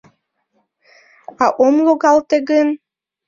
— А ом логалте гын?